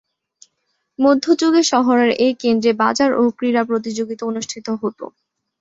মধ্যযুগে শহরের এই কেন্দ্রে বাজার ও ক্রীড়া প্রতিযোগিতা অনুষ্ঠিত হত।